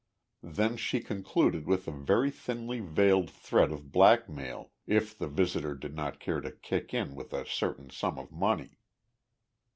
Then she concluded with a very thinly veiled threat of blackmail if the visitor did not care to kick in with a certain sum of money.